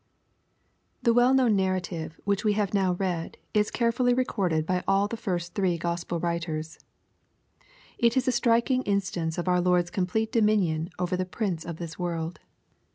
The well known nai"ative which we have now read, is carefully recorded by all the first three Gospel writers. It is a striking instance of oui Lord's complete dominion over the prince of this world.